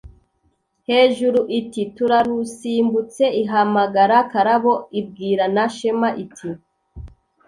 hejuru iti: “turarusimbutse” ihamagara karabo, ibwira na shema iti: